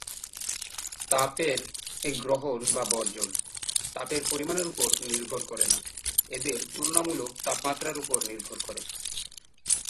তাপের এ গ্রহণ বা বর্জন তাপের পরিমাণের উপর নির্ভর করে না, এদের তুলনামূলক তাপমাত্রার উপর নির্ভর করে।